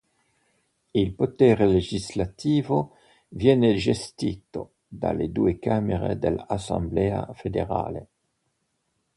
Il potere legislativo viene gestito dalle due camere dell'Assemblea federale.